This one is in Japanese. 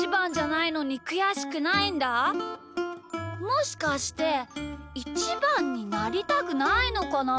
もしかしてイチバンになりたくないのかな？